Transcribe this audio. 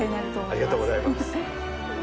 ありがとうございます。